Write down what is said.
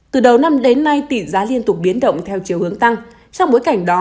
từ đầu năm đến nay tỷ giá liên tục biến động theo chiều hướng tăng trong bối cảnh đó